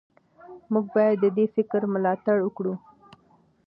موږ باید د دې فکر ملاتړ وکړو.